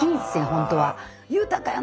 ほんとは。